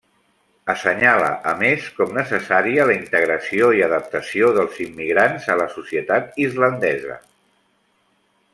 Assenyala a més com necessària la integració i adaptació dels immigrants a la societat islandesa.